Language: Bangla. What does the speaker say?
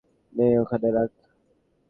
নে, ওখানে রাখ।